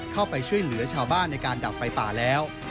เข้าไปช่วยเหลือชาวบ้านในการดับไฟป่าแล้ว